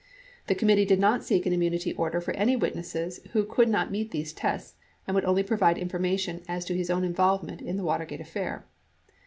The committee did not seek an immunity order for any witness who could not meet these tests and would only provide information as to his own involvement in the Watergate affair.